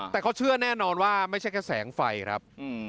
แต่เขาเชื่อแน่นอนว่าไม่ใช่แค่แสงไฟครับ